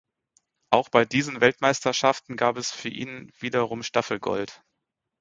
Auch bei diesen Weltmeisterschaften gab es für ihn wiederum Staffelgold.